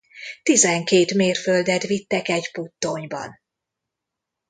Tizenkét mérföldet vittek egy puttonyban!